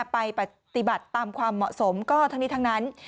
ไปปฏิบัติตามความเหมาะสมก็ทั้งนี้ทั้งนั้น